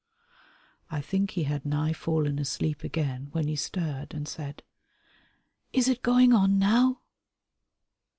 I think he had nigh fallen asleep again when he stirred and said, "Is it going on now?"